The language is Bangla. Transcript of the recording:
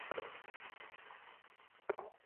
স্ট্যান্ডের একটা বক্সে।